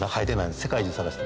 世界中探しても。